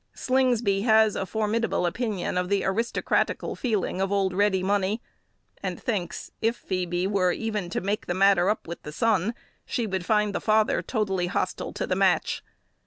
Slingsby has a formidable opinion of the aristocratical feeling of old Ready Money, and thinks, if Phoebe were even to make the matter up with the son, she would find the father totally hostile to the match.